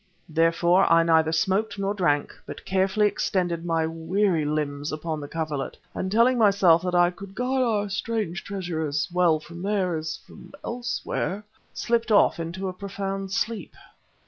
Therefore I neither smoked nor drank, but carefully extended my weary limbs upon the coverlet, and telling myself that I could guard our strange treasure as well from there as from elsewhere ... slipped off into a profound sleep.